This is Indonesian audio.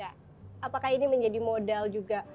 apakah ini menjadi modal juga